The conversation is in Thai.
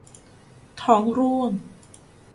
ท้องร่วง